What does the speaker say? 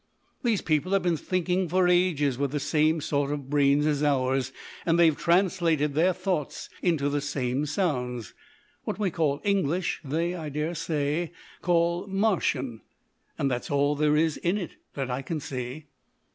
These people have been thinking for ages with the same sort of brains as ours, and they've translated their thoughts into the same sounds. What we call English they, I daresay, call Martian, and that's all there is in it that I can see."